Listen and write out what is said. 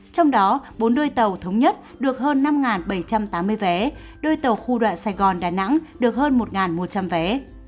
trong đó bốn đôi tàu thống nhất được hơn năm bảy trăm tám mươi vé đôi tàu khu đoạn sài gòn đà nẵng được hơn một một trăm linh vé